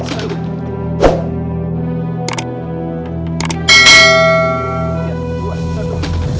tiga dua satu